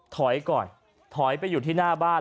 ถอยก่อนถอยไปอยู่ที่หน้าบ้าน